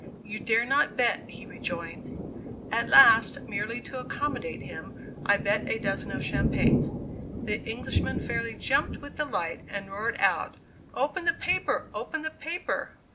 "You dare not bet!" he rejoined. At last, merely to accommodate him, I bet a dozen of champagne. The Englishman fairly jumped with delight, and roared out: "Open the paper! open the paper!"